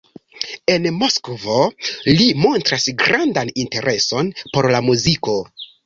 En Moskvo li montras grandan intereson por la muziko.